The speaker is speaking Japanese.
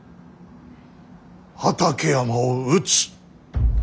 畠山を討つ。